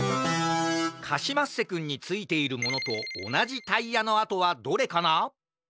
カシマッセくんについているものとおなじタイヤのあとはどれかな？